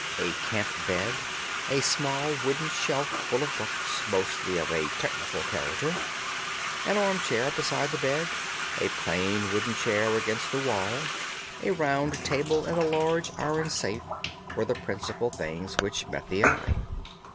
A camp bed, a small wooden shelf full of books, mostly of a technical character, an armchair beside the bed, a plain wooden chair against the wall, a round table, and a large iron safe were the principal things which met the eye.